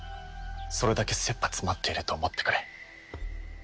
それだけ切羽詰まっていると思ってくれ。